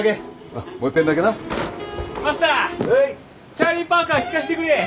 チャーリー・パーカー聴かせてくれえ。